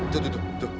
tuh tuh tuh